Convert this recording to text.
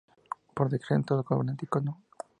Por Decreto Gubernativo No.